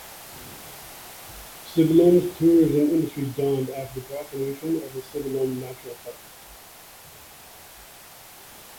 Sibalom's tourism industry dawned after the proclamation of the Sibalom Natural Park.